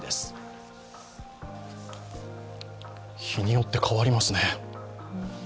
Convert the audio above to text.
日によって変わりますね。